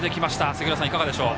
杉浦さん、いかがでしょう？